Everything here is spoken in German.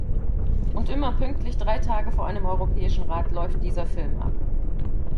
Und immer pünktlich drei Tage vor einem Europäischen Rat läuft dieser Film ab!